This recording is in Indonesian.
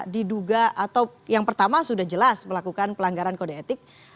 diduga atau yang pertama sudah jelas melakukan pelanggaran kode etik